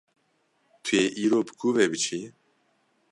Tu yê îro bi ku ve biçî?